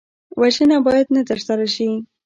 وژنه باید نه ترسره شي